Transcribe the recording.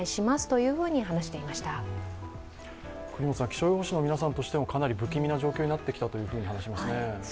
気象予報士の皆さんとしてもかなり不気味な状況になってきたと話しますね。